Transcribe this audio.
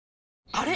あれ？